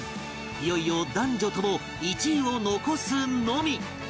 いよいよ男女共１位を残すのみ